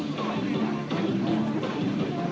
ตรงตรงตรงตรง